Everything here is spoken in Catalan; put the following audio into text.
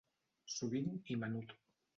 Sovint i menut.